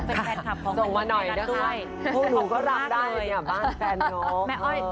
เป็นแฟนคลับของบอสนกใหม่กันนั้นด้วยขอบคุณมากเลย